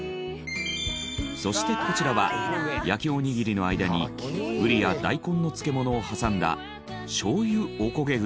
そしてこちらは焼きおにぎりの間にうりや大根の漬物を挟んだ醤油おこげ串。